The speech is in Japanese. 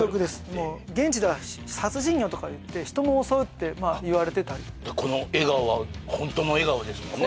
もう現地では殺人魚とかいって人も襲うってまあいわれてたりこの笑顔はホントの笑顔ですもんね